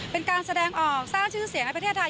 เป็นการแสดงออกสร้างชื่อเสียงให้ประเทศไทย